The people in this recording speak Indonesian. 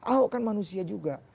ahok kan manusia juga